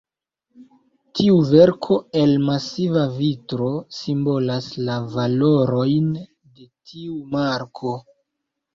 Tiu verko el masiva vitro simbolas la valorojn de tiu marko.